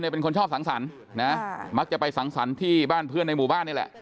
เป็นคนชอบสังสรรค์นะมักจะไปสังสรรค์ที่บ้านเพื่อนในหมู่บ้านนี่แหละ